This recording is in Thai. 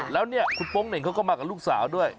แล้วเนี่ยคุณโป๊งเหน่งเขาก็มากับลูกสาวด้วย